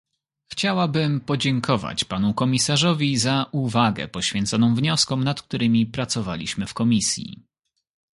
Chciałabym podziękować panu komisarzowi za uwagę poświęconą wnioskom, nad którymi pracowaliśmy w komisji